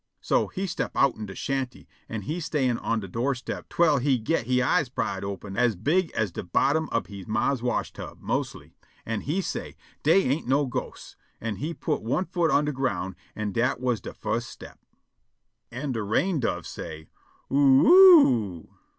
So he step'outen de shanty an' he stan' on de doorstep twell he get' he eyes pried open as big as de bottom ob he ma's wash tub, mostly, an' he say', "Dey ain't no ghosts." An' he put' one foot on de ground, an' dat was de fust step. An' de rain dove say', "OO oo o o o!"